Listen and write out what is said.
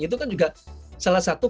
itu kan juga salah satu